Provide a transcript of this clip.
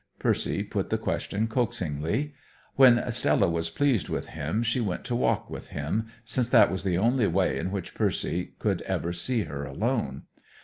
Percy put the question coaxingly. When Stella was pleased with him she went to walk with him, since that was the only way in which Percy could ever see her alone.